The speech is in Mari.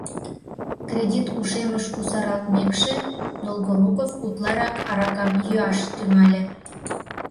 Кредит ушемыш кусаралтмекше, Долгоруков утларак аракам йӱаш тӱҥале.